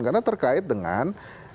karena terkait dengan